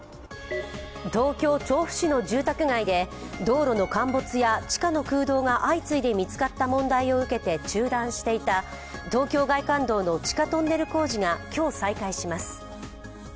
東京・調布市の住宅街で道路の陥没や地下の空洞が相次いで見つかった問題を受けて中断していた東京外環道の地下トンネル工事が今日再開します。